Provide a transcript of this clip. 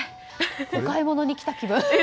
お買い物に来た気分。